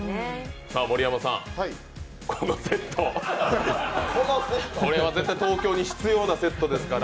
盛山さん、このセット、これは絶対東京に必要なセットですから。